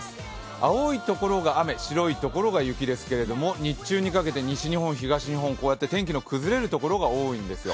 青いところが雨、白いところが雪ですけれども日中にかけて東日本、西日本、天気の崩れるところが多いんですよ。